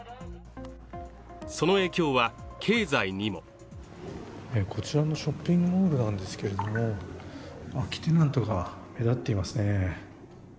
その影響は経済にもこちらのショッピングモールなんですけれども空きテナントが目立っていますね